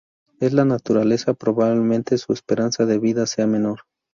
En la naturaleza probablemente su esperanza de vida sea menor.